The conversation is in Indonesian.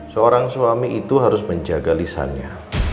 seorang suami itu harus menjaga lisannya